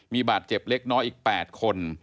มีบาดเจ็บเล็กน้อยอีก๘คน